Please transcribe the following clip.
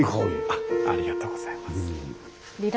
ありがとうございます。